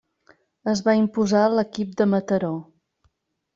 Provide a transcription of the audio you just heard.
Es va imposar l'equip de Mataró.